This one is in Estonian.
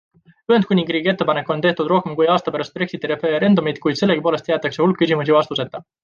Ühendkuningriigi ettepanek on tehtud rohkem kui aasta pärast Brexiti referendumit, kuid sellegipoolest jäetakse hulk küsimusi vastuseta.